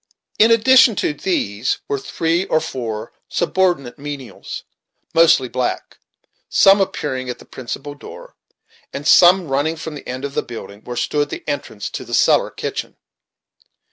In addition to these, were three or four subordinate menials, mostly black, some appearing at the principal door, and some running from the end of the building, where stood the entrance to the cellar kitchen.